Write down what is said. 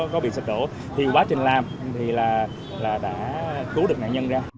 có bị sụt đổ thì quá trình làm thì là đã cứu được nạn nhân ra